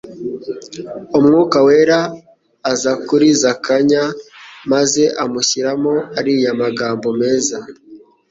Umwuka wera aza kuri Zakanya maze amushyiramo ariya magambo meza